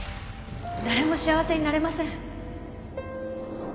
誰も幸せになれません